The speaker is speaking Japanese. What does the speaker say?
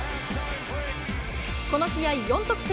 この試合、４得点。